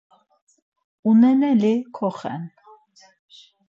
Uneneli koxen.